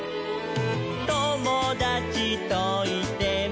「ともだちといても」